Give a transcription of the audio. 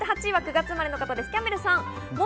８位は９月生まれの方です、キャンベルさん。